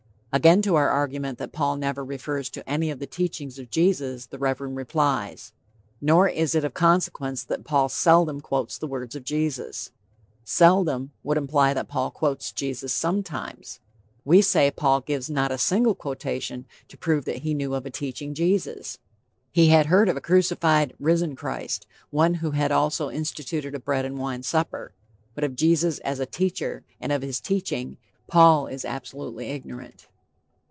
Again, to our argument that Paul never refers to any of the teachings of Jesus, the Reverend replies: "Nor is it of consequence that Paul seldom quotes the words of Jesus." "Seldom" would imply that Paul quotes Jesus sometimes. We say Paul gives not a single quotation to prove that he knew of a teaching Jesus. He had heard of a crucified, risen, Christ one who had also instituted a bread and wine supper, but of Jesus as a teacher and of his teaching, Paul is absolutely ignorant.